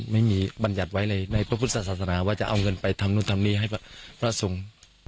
ไม่มีบรรยัติไว้เลยในประพฤษฎาศาสนาว่าจะเอาเงินไปทำนู่นทำนี่ให้พระสุงศ์